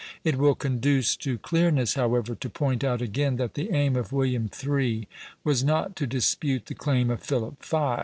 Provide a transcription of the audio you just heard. It will conduce to clearness, however, to point out again that the aim of William III. was not to dispute the claim of Philip V.